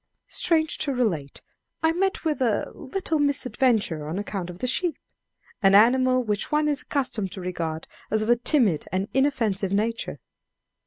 Strange to relate, I met with a little misadventure on account of the sheep an animal which one is accustomed to regard as of a timid and inoffensive nature.